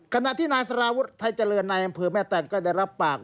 ขณะที่นายสารวุฒิไทยเจริญในอำเภอแม่แตงก็ได้รับปาก